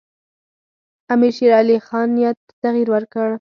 امیرشیرعلي خان نیت ته تغییر ورکړ.